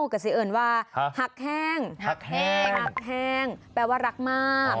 ก็คุยกับซีเยิ่นว่าฮักแห้งแปลว่ารักมาก